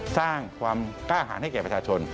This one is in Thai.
สร้างความกล้าหารให้แก่ประชาชน